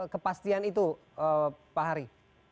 kepastian itu pak hari